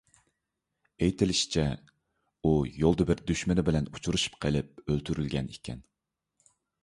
ئېيتىلىشىچە، ئۇ يولدا بىر دۈشمىنى بىلەن ئۇچرىشىپ قېلىپ ئۆلتۈرۈلگەن ئىكەن.